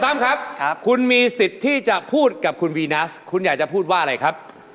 ตั้มครับคุณมีสิทธิ์ที่จะพูดกับคุณวีนัสคุณอยากจะพูดว่าอะไรครับ